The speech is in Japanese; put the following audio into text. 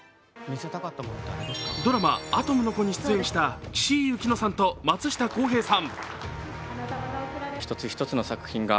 ドラマ「アトムの童」に出演した岸井ゆきのさんと松下洸平さん。